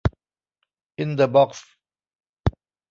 อินเดอะบ็อกซ์